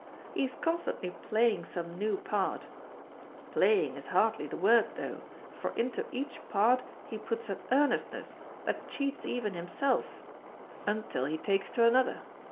He is constantly playing some new part playing is hardly the word though, for into each part he puts an earnestness that cheats even himself, until he takes to another.